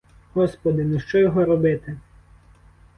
Господи, ну що його робити!